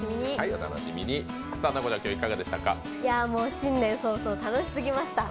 新年早々、楽しすぎました。